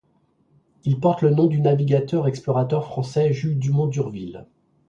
Il porte le nom du navigateur et explorateur français Jules Dumont d'Urville.